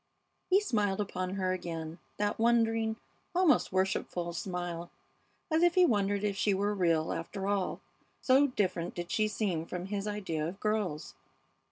He smiled upon her again, that wondering, almost worshipful smile, as if he wondered if she were real, after all, so different did she seem from his idea of girls.